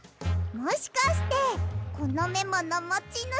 もしかしてこのメモのもちぬしは。